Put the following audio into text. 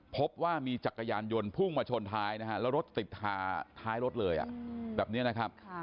พบว่ามีจักรยานยนต์พุ่งมาชนท้ายนะฮะแล้วรถติดท้ายรถเลยแบบนี้นะครับ